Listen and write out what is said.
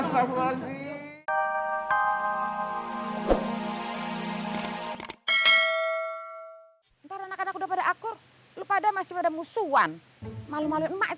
hai hai dr dua benarkah pada aku padahal masih ada musuh bom malu malu mbak